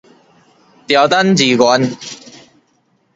牢單字元